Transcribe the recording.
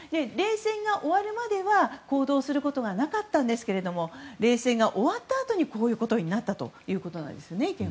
冷戦が終わるまでは報道することはなかったんですが冷戦が終わったあとにこういうことになったと。